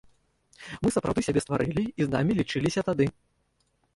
Мы сапраўды сябе стварылі, і з намі лічыліся тады.